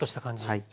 はい。